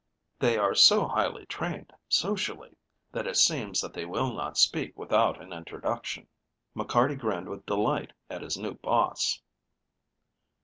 "They are so highly trained, socially, that it seems that they will not speak without an introduction." McCarty grinned with delight at his new boss.